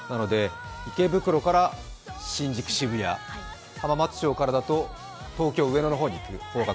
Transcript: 池袋から新宿、渋谷、浜松町からだと東京、上野の方に行く方向